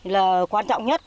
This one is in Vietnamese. là quan trọng nhất